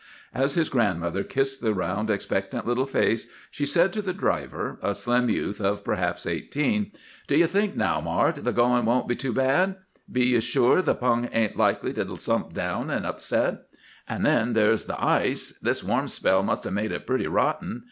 As his grandmother kissed the round, expectant little face, she said to the driver, a slim youth of perhaps eighteen,— "'Do you think, now, Mart, the goin' won't be too bad? Be you sure the pung ain't likely to slump down and upset? And then there's the ice! This warm spell must have made it pretty rotten!